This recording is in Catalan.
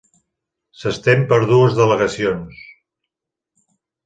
S'estén per dues delegacions.